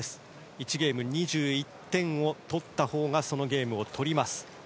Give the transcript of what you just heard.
１ゲーム２１点をとったほうがそのゲームを取ります。